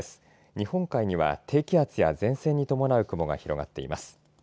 日本海には低気圧や前線に伴う雲が広がっています。